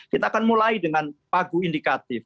kita akan mulai dengan pagu indikatif